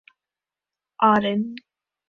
Auden.